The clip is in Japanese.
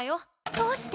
どうして？